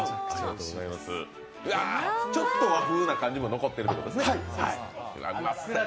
ちょっと和風な感じも残ってるということですね。